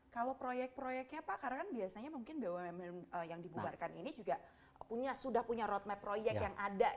kalau proyek proyeknya pak karena kan biasanya mungkin bumn yang dibubarkan ini juga sudah punya roadmap proyek yang ada